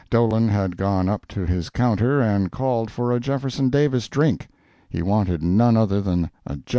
Dolan had gone up to his counter and called for a Jeff. Davis drink: he wanted none other than a Jeff.